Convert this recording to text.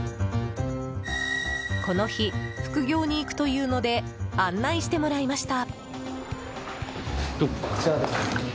この日、副業に行くというので案内してもらいました。